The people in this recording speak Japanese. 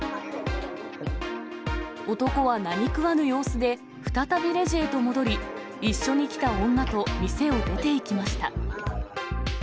男は何食わぬ様子で再びレジへと戻り、一緒に来た女と店を出ていきました。